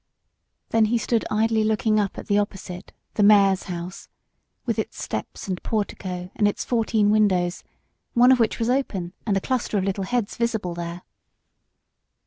Then he stood idly looking up at the opposite the mayor's house, with its steps and portico, and its fourteen windows, one of which was open, and a cluster of little heads visible there.